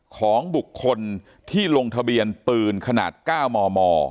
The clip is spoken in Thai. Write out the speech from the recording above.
ของบุคคลที่ลงทะเบียนปืนขนาด๙มม